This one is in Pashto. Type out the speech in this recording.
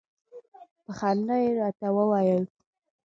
په خندا يې راته وویل.